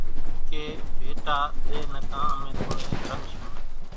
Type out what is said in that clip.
ڪي ڀيٽا ۮي نڪان امين تون نين رنڳشون